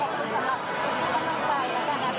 ขอบคุณสำหรับกลังกายและแม่ภาพดีกว่า